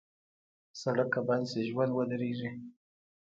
سړک که بند شي، ژوند ودریږي.